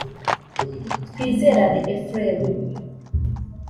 Twizerane Ephrem